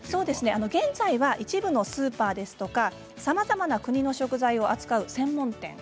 現在は一部のスーパーですとか、さまざまな国の食材を扱う専門店。